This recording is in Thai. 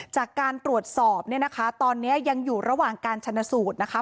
จากการตรวจสอบเนี่ยนะคะตอนนี้ยังอยู่ระหว่างการชนสูตรนะคะ